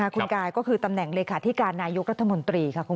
คุณกายก็คือตำแหน่งเลขาธิการนายกรัฐมนตรีค่ะ